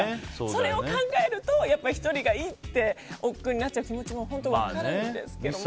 それを考えると、１人がいいっておっくうになっちゃう気持ちも本当に分かるんですけども。